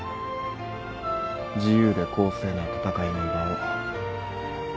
自由で公正な戦いの場を。